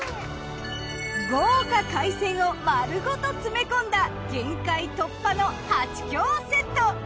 豪華海鮮を丸ごと詰め込んだ限界突破のはちきょうセット。